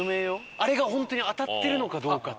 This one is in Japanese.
あれが本当に当たってるのかどうかっていう。